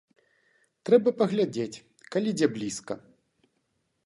Трэба паглядзець, калі дзе блізка.